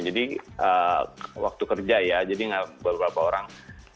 jadi waktu kerja ya jadi beberapa orang